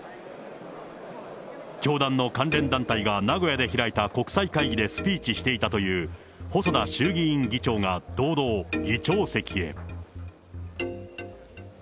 教団の関連団体が名古屋で開いた国際会議でスピーチしていたという、細田衆議院議長が堂々、議長席へ。